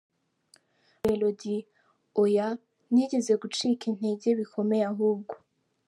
Bruce Melody: Oya, nigeze gucika intege bikomeye ahubwo.